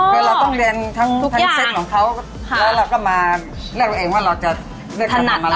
แล้วเราก็มาเรียกตัวเองว่าเราจะเลือกคำว่าอะไร